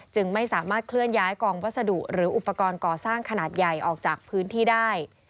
จึงไม่สามารถเคลื่อนย้ายกองวัสดุหรืออุปกรณ์ก่อสร้างขนาดใหญ่ออกจากพื้นที่ได้